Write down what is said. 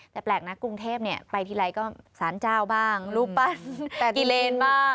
แต่แปลกนะกรุงเทพไปทีไรก็สารเจ้าบ้างรูปปั้น๘กิเลนบ้าง